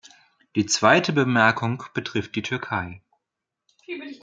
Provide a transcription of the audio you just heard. Die zweite Bemerkung betrifft die Türkei.